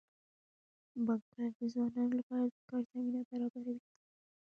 بانکونه د ځوانانو لپاره د کار زمینه برابروي.